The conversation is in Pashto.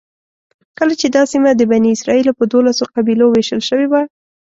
کله چې دا سیمه د بني اسرایلو په دولسو قبیلو وېشل شوې وه.